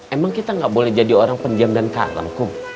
emang kita ga boleh jadi orang pendiam dan kalem kum